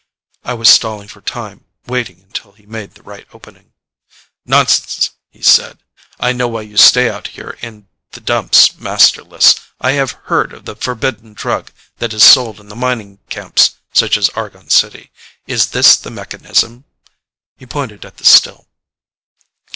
I was stalling for time, waiting until he made the right opening. "Nonsense," he said. "I know why you stay out here in the Dumps, masterless. I have heard of the forbidden drug that is sold in the mining camps such as Argon City. Is this the mechanism?" He pointed at the still.